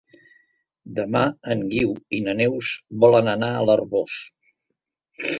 Demà en Guiu i na Neus volen anar a l'Arboç.